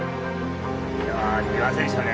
いやあ見ませんでしたね。